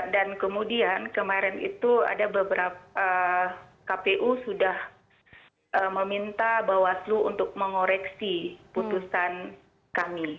dan kemudian kemarin itu ada beberapa kpu sudah meminta bawasluh untuk mengoreksi putusan kami